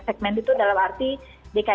segmented itu dalam arti dki jakarta